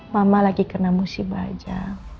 mama lagi kena musibah aja